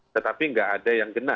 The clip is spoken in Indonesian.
tetapi tidak ada yang gena